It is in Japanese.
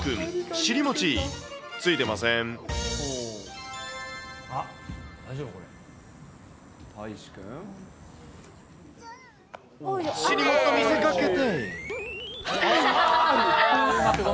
尻餅と見せかけて。